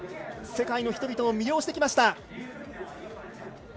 世界の人々を魅了してきました。